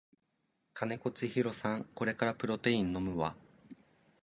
金子千尋さんこれからプロテイン飲むわ